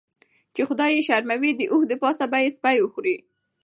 چی خدای یی شرموي داوښ دپاسه به یی سپی وخوري .